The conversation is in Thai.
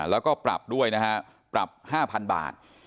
แล้วก็ปรับด้วยนะฮะปรับ๕๐๐๐บาท